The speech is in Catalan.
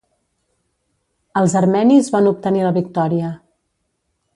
Els armenis van obtenir la victòria.